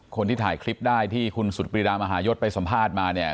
คนที่ถ่ายคลิปได้ที่คุณสุดปรีดามหายศไปสัมภาษณ์มาเนี่ย